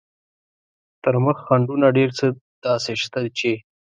تر مخ خنډونه ډېر څه داسې شته چې.